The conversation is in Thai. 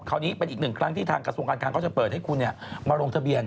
นี้เป็นอีกหนึ่งครั้งที่ทางกระทรวงการคลังก็จะเปิดให้คุณมาลงทะเบียน